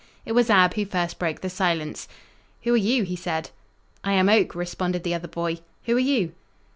It was Ab who first broke the silence: "Who are you?" he said. "I am Oak," responded the other boy. "Who are you?"